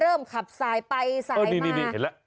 เริ่มขับสายไปสายอีเล่ลก